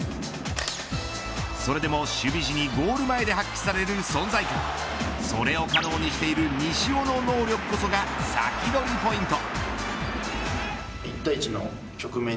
それでも守備時にゴール前で発揮される存在感それを可能にしている西尾の能力こそがサキドリポイント。